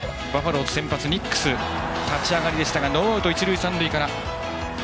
まず１回表バファローズ先発のニックス立ち上がりでしたがノーアウト、一塁三塁から。